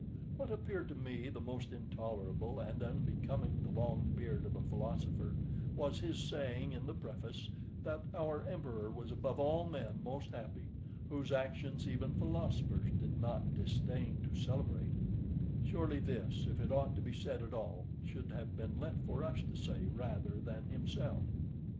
What appeared to me the most intolerable and unbecoming the long beard of a philosopher, was his saying in the preface that our emperor was above all men most happy, whose actions even philosophers did not disdain to celebrate; surely this, if it ought to be said at all, should have been left for us to say rather than himself.